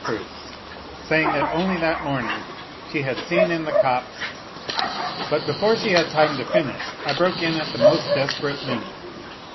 proofs, saying that only that morning she had seen in the copse. ... But before she had time to finish I broke in at the most desperate minute.